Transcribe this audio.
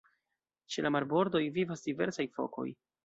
Ĉe la marbordoj vivas diversaj fokoj.